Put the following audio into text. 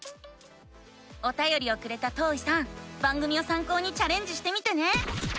おたよりをくれたとういさん番組をさん考にチャレンジしてみてね！